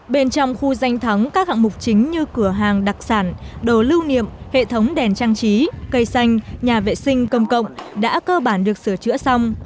bên trong khu danh thắng các hạng mục chính như cửa hàng đặc sản đồ lưu niệm hệ thống đèn trang trí cây xanh nhà vệ sinh công cộng đã cơ bản được sửa chữa xong